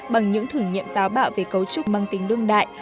bằng những thử nghiệm táo bạo về cấu trúc mang tính đương đại